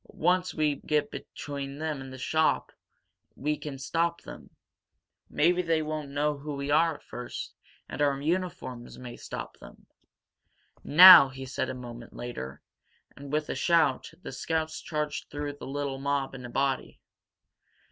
Once we get between them and the shop, we can stop them. Maybe they won't know who we are at first, and our uniforms may stop them." "Now!" he said, a moment later. And, with a shout, the scouts charged through the little mob in a body.